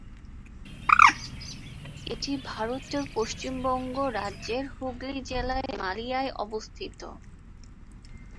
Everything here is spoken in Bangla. এটি ভারতের পশ্চিমবঙ্গ রাজ্যের হুগলী জেলার মালিয়ায় অবস্থিত।